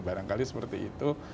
barangkali seperti itu